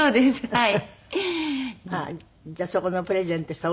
はい。